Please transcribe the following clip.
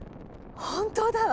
本当だわ！